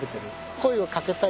声をかけたい。